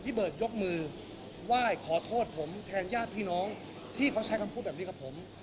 เบิร์ดยกมือไหว้ขอโทษผมแทนญาติพี่น้องที่เขาใช้คำพูดแบบนี้กับผม